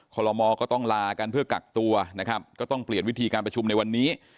ลมอก็ต้องลากันเพื่อกักตัวนะครับก็ต้องเปลี่ยนวิธีการประชุมในวันนี้